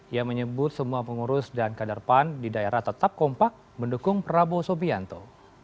ia menyebut semua pengurus dan kader pan di daerah tetap kompak mendukung prabowo subianto